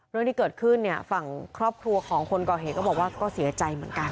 เรื่องที่เกิดขึ้นเนี่ยฝั่งครอบครัวของคนก่อเหตุก็บอกว่าก็เสียใจเหมือนกัน